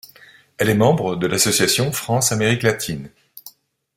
Elle est membre de l'association France-Amérique latine.